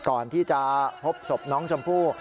ก่อนที่จะพบศพน้องชมพู่